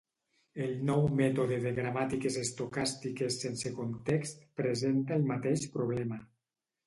El nou mètode de gramàtiques estocàstiques sense context presenta el mateix problema.